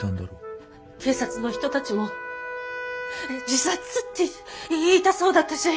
警察の人たちも自殺って言いたそうだったし。